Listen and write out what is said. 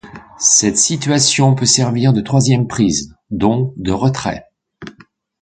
Cette situation peut servir de troisième prise, donc de retrait.